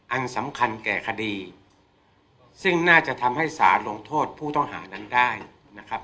อันสำคัญแก่คดีซึ่งน่าจะทำให้สารลงโทษผู้ต้องหานั้นได้นะครับ